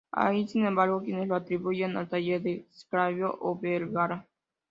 Hay sin embargo, quienes la atribuyen al taller de Salzillo o Vergara.